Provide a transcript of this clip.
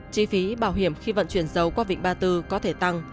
chi phí bảo hiểm khi vận chuyển dầu qua vịnh ba tư có thể tăng